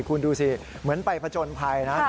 คุณดูสิเหมือนไปผจญภัยนะ